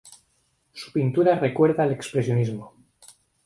Su pintura recuerda al expresionismo.